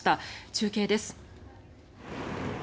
中継です。